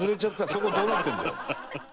そこどうなってるんだよお前。